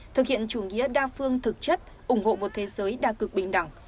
thực hiện chủ nghĩa đa phương thực chất ủng hộ một thế giới đa cực bình đẳng